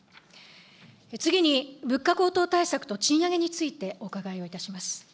次に、物価高騰対策と賃上げについてお伺いをいたします。